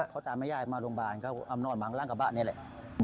พ่อตาแม่ยายมาโรงพยาบาลเขาอำนวนหลังกระบะนี้เลย